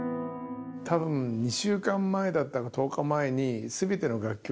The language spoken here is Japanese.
多分２週間前だったか１０日前に全ての楽曲